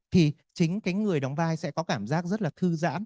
thì chính cái người đóng vai sẽ có cảm giác rất là thư giãn